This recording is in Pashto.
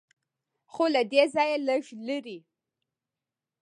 خو له دې ځایه لږ لرې.